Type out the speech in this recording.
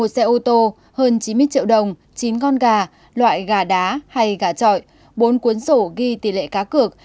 một xe ô tô hơn chín mươi triệu đồng chín con gà loại gà đá hay gà trọi bốn cuốn sổ ghi tỷ lệ cá cược